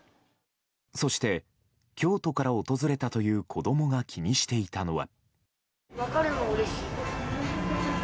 そして、京都から訪れたという子供が気にしていたのは。